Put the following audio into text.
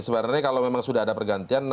sebenarnya kalau memang sudah ada pergantian